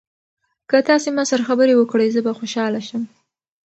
که تاسي ما سره خبرې وکړئ زه به خوشاله شم.